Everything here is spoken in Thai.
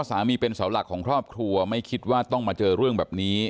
สามีเป็นเสาหลักของครอบครัวไม่คิดว่าต้องมาเจอเรื่องแบบนี้